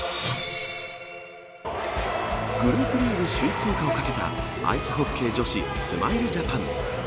グループリーグ首位通過をかけたアイスホッケー女子スマイルジャパン。